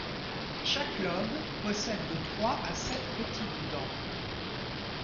Chaque lobe possède de trois à sept petites dents.